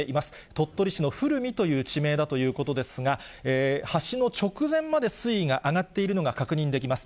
鳥取市の古海という地名だということですが、橋の直前まで水位が上がっているのが確認できます。